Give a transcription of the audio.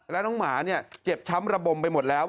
แล้วน้องหมาเนี่ยเจ็บช้ำระบมไปหมดแล้ว